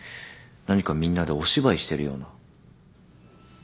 何かみんなでお芝居してるような。